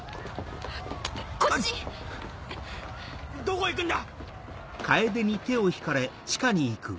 どこ行くんだ！